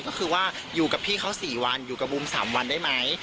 ก็คือว่าอยู่กับพี่เขา๔วันอยู่กับบูม๓วันได้ไหม